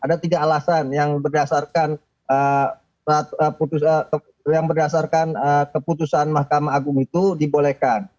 ada tiga alasan yang berdasarkan keputusan mahkamah agung itu dibolehkan